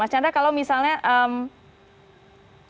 mas chandra kalau misalnya kembali ya soal sikap itu tadi